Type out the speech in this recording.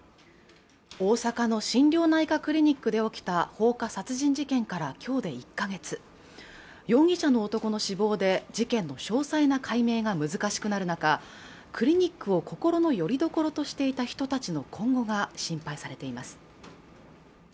大阪の心療内科クリニックで起きた放火殺人事件からきょうで１か月容疑者の男の死亡で事件の詳細な解明が難しくなる中クリニックを心のよりどころとしていた人たちの今後が心配されています